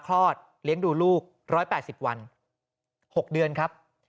กรุงเทพฯมหานครทำไปแล้วนะครับ